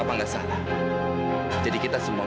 mama gak mungkin lakuin itu kak